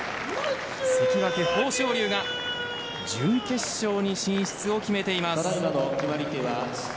関脇・豊昇龍が準決勝に進出を決めています。